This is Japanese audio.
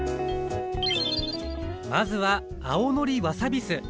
まずは青のりわさび酢。